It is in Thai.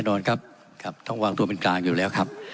นอนครับครับต้องวางตัวเป็นกลางอยู่แล้วครับ